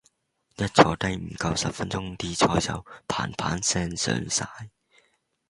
一坐低唔夠十分鐘啲菜就砰砰聲上晒